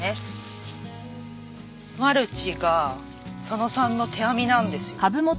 マルチが佐野さんの手編みなんですよ。